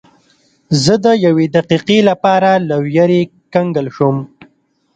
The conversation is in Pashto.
زه د یوې دقیقې لپاره له ویرې کنګل شوم.